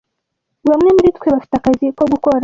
Bamwe muri twe bafite akazi ko gukora.